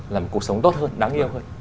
làm cuộc sống tốt hơn đáng yêu hơn